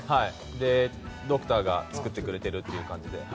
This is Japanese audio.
ドクターが作ってくれてるって感じで。